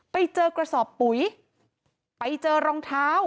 ไปเจอกระสอบปุ๋ยไปเจอรองเท้า